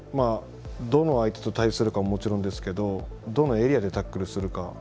どの相手と対するかももちろんですけれどどのエリアでタックルするか。